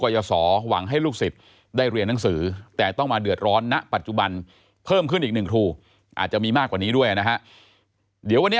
ยาท่าน้ำขาวไทยนครเพราะทุกการเดินทางของคุณจะมีแต่รอยยิ้ม